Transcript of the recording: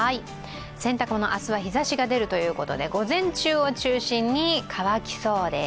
洗濯物、明日は日ざしが出るということで、午前中を中心に乾きそうです。